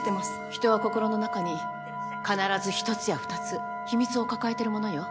人は心の中に必ず１つや２つ秘密を抱えてるものよ